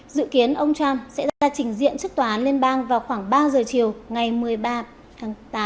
dự kiến ông trump sẽ ra trình diện trước tòa án liên bang vào khoảng ba giờ chiều ngày một mươi ba tháng tám